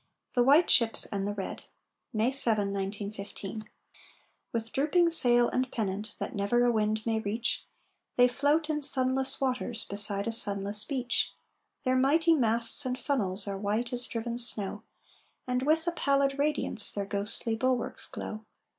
THE WHITE SHIPS AND THE RED [May 7, 1915] With drooping sail and pennant That never a wind may reach, They float in sunless waters Beside a sunless beach. Their mighty masts and funnels Are white as driven snow, And with a pallid radiance Their ghostly bulwarks glow.